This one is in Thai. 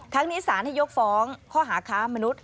ทั้งนี้สารให้ยกฟ้องข้อหาค้ามนุษย